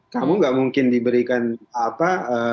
kamu gak mungkin diberikan apa